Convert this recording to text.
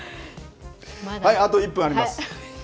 まだ１分あります。